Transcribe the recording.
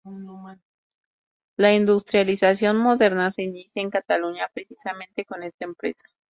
La industrialización moderna se inicia en Cataluña precisamente con esta empresa.